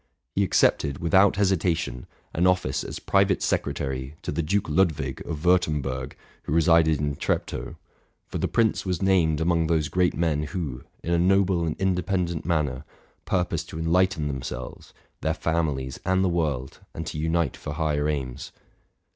He accepted, without hesitation, an office as pri vate secretary to the Duke Ludwig of Wurtemberg, who re sided in Treptow ; for the prince was named among those great men who, in a noble and independent manner, purposed to enlighten themselves, their families, and the world, and to unite for higher aims.